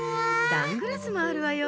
サングラスもあるわよ。